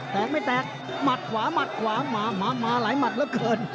แตกไม่แตกมัดขวาหมาหลายมัดเหลือเกิน